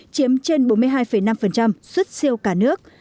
chiếm trên bốn mươi hai năm xuất siêu cả nước